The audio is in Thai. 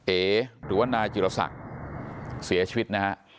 เอ๋หรือว่านายจิลศักดิ์เสียชีวิตนะฮะ